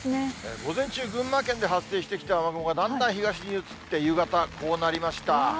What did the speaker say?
午前中、群馬県で発生してきた雨雲が、だんだん東に移って、夕方、こうなりました。